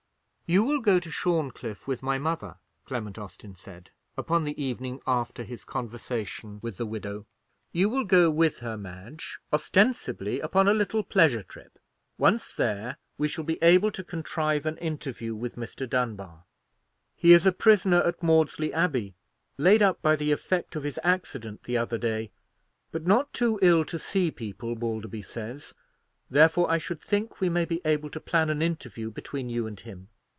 "You will go to Shorncliffe with my mother," Clement Austin said, upon the evening after his conversation with the widow; "you will go with her, Madge, ostensibly upon a little pleasure trip. Once there, we shall be able to contrive an interview with Mr. Dunbar. He is a prisoner at Maudesley Abbey, laid up by the effect of his accident the other day, but not too ill to see people, Balderby says; therefore I should think we may be able to plan an interview between you and him.